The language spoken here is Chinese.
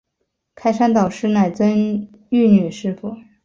开山导师乃曾玉女师傅。